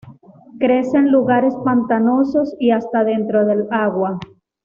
Crece en lugares pantanosos y hasta dentro del agua.